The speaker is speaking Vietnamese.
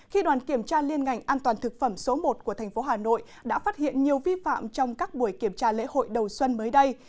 khi đoàn kiểm tra liên ngành an toàn thực phẩm số một của thành phố hà nội đã phát hiện nhiều vi phạm trong các buổi kiểm tra lễ hội đầu xuân mới đây